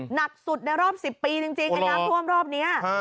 หนักสุดในรอบ๑๐ปีจริงไอ้น้ำท่วมรอบนี้